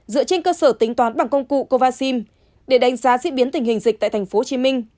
dựa trên cơ sở tính toán bằng công cụ kovacim để đánh giá diễn biến tình hình dịch tại tp hcm